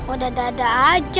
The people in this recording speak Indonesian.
oh ada ada aja